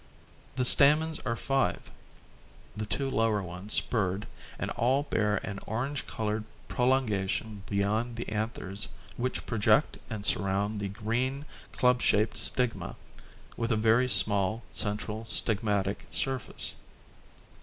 The stamens are five, the two lower ones spurred, and all bear an orange colored prolongation beyond the anthers, which project and surround the green club shaped stigma, with a very small central stigmatic surface.